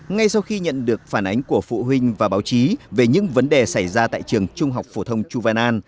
ngay sau khi nhận được phản ánh của phụ huynh và báo chí về những vấn đề xảy ra tại trường trung học phổ thông chu văn an